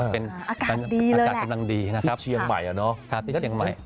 เป็นอากาศกำลังดีที่เชียงใหม่อ่ะเนอะ